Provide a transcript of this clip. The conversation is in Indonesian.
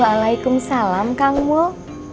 waalaikumsalam kang mul